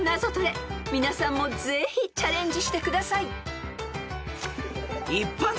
［皆さんもぜひチャレンジしてください］